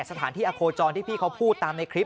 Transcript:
สถานที่อโคจรที่พี่เขาพูดตามในคลิป